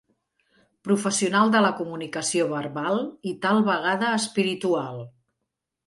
Professional de la comunicació verbal, i tal vegada espiritual.